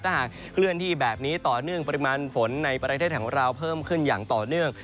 ถ้าหากเคลื่อนที่แบบนี้ต่อเนื่องปริมาณฝนในประเทศของเราเพิ่มขึ้นอย่างต่อเนื่อง